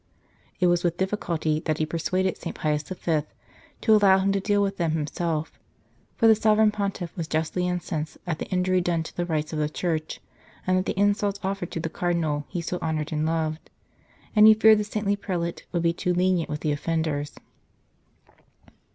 It was with difficulty that he persuaded St. Pius V. to allow him to deal with them himself, for the Sovereign Pontiff was justly incensed at the injury done to the rights of the Church, and at the insults offered to the Cardinal he so honoured and loved ; and he feared the saintly prelate would be too lenient with the offenders.